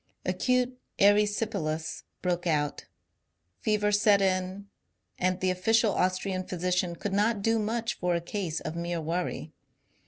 Acute erysipelas broke out, fever set in, and the official Austrian physician could not do much for a case of mere worry.